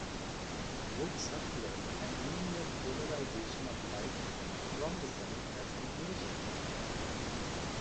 Both circular and linear polarization of light from the Sun has been measured.